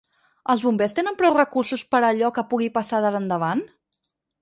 Els bombers tenen prou recursos per a allò que pugui passar d’ara endavant?